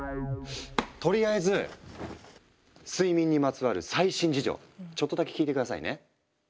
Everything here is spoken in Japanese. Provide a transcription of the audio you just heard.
とりあえず睡眠にまつわる最新事情ちょっとだけ聞いて下さいね。